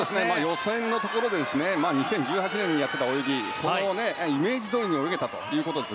予選のところで２０１８年にやっていた泳ぎそのイメージどおりに泳げたということです。